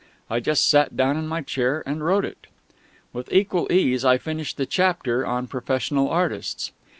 I just sat down in my chair and wrote it. With equal ease I finished the chapter on professional artists.